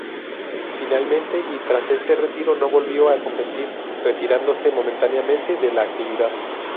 Finalmente y tras este retiro no volvió a competir, retirándose momentáneamente de la actividad.